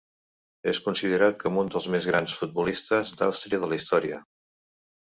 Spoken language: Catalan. És considerat com un dels més grans futbolistes d'Àustria de la història.